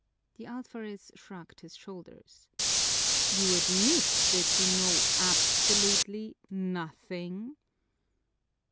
The alferez shrugged his shoulders. "You admit that you know absolutely nothing?"